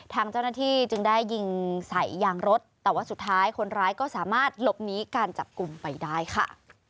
ทางเจ้าหน้าที่จึงได้ยิงใส่ยางรถแต่ว่าสุดท้ายคนร้ายก็สามารถหลบหนีการจับกลุ่มไปได้ค่ะ